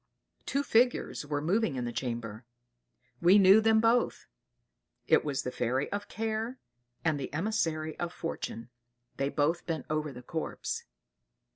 Two figures were moving in the chamber. We knew them both; it was the fairy of Care, and the emissary of Fortune. They both bent over the corpse.